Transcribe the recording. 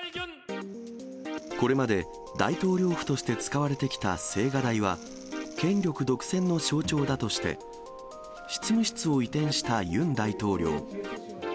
これまで、大統領府として使われてきた青瓦台は、権力独占の象徴だとして、執務室を移転したユン大統領。